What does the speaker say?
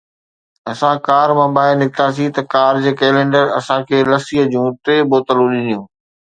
اسان ڪار مان ٻاهر نڪتاسين ته ڪار جي ڪئلينڊر اسان کي لسي جون ٽي بوتلون ڏنيون.